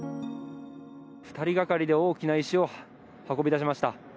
２人がかりで大きな石を運び出しました。